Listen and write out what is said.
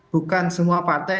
bukan semua partai